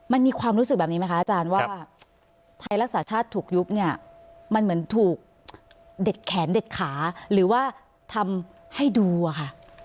มันมีความรู้สึกแบบนี้ไหมคะอาจารย์ว่าไทยรักษาชาติถูกยุบเนี่ยมันเหมือนถูกเด็ดแขนเด็ดขาหรือว่าทำให้ดูอะค่ะ